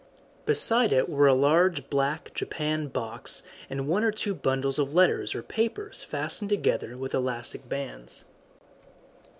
Beside it were a large black japanned box and one or two bundles of letters or papers fastened together with elastic bands.